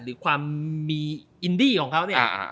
หรือความมีอินดีของเขา